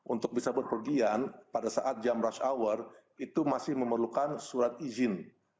untuk bisa berpergian pada saat jam rush hour itu masih memerlukan surat izin